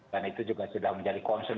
dan itu juga sudah menjadi concern